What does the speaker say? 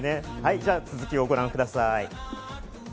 では続きをご覧ください。